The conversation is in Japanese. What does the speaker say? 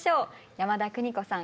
山田邦子さん